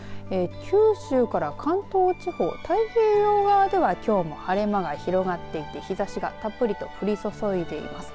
九州から関東地方、太平洋側ではきょうも晴れ間が広がっていて日ざしがたっぷりと降り注いでいます。